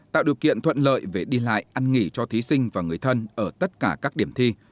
tạo điều kiện thuận lợi về đi lại ăn nghỉ cho thí sinh và người thân ở tất cả các điểm thi